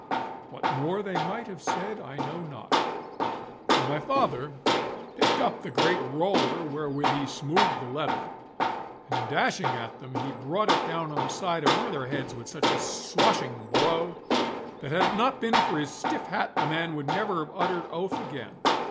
What more they might have said I know not, for my father picked up the great roller wherewith he smoothed the leather, and dashing at them he brought it down on the side of one of their heads with such a swashing blow, that had it not been for his stiff hat the man would never have uttered oath again.